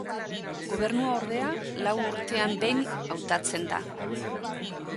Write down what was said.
Gobernua, ordea, lau urtean behin hautatzen da.